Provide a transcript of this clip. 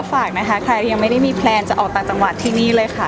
ฝากนะคะใครยังไม่ได้มีแพลนจะออกต่างจังหวัดที่นี่เลยค่ะ